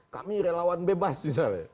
kami relawan bebas misalnya